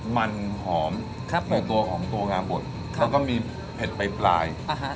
มันหอมครับผมในตัวของตัวงาบดครับแล้วก็มีเผ็ดไปปลายอ่าฮะ